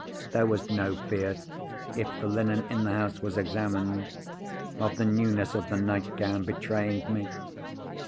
There was no fear (if the linen in the house was examined) of the newness of the nightgown betraying me.